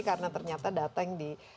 karena ternyata data yang didapatkan